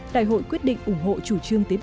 đại hội quyết định ủng hộ chủ trương tế bào